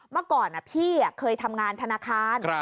เมื่อก่อนพี่เคยทำงานธนาคาร